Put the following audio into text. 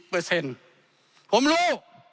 ผมรู้